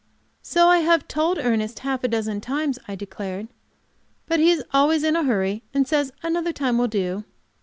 "So I have told Ernest half a dozen times," I declared. "But he is always in a hurry, and says another time will do."